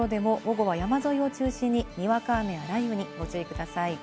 晴れるところでも、午後は山沿いを中心ににわか雨や雷雨にご注意ください。